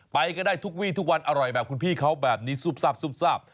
ไปก็ได้ทุกวี่ทุกวันอร่อยแบบคุณพี่เขาแบบนี้ซุบซับ